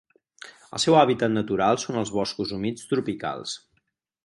El seu hàbitat natural són els boscos humits tropicals.